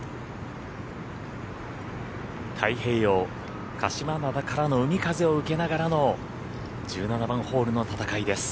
太平洋・鹿島灘からの海風を受けながらの１７番ホールの戦いです。